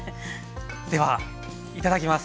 ではいただきます。